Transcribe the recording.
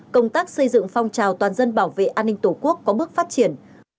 công tác xây dựng phong trào toàn dân bảo vệ an ninh tổ quốc có bước phát triển